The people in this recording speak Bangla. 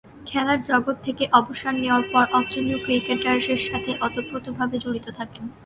খেলার জগৎ থেকে অবসর নেয়ার পর অস্ট্রেলীয় ক্রিকেটের সাথে ওতপ্রোতভাবে জড়িত থাকেন।